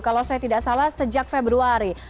kalau saya tidak salah sejak februari